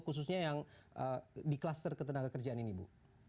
khususnya yang di kluster ketenaga kerjaan ini bu